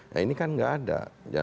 nah ini kan nggak ada